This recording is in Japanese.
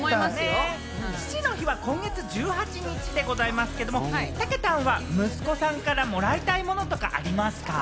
父の日は今月１８日でございますけれども、たけたんは息子さんからもらいたいものとかありますか？